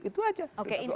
itu saja soalnya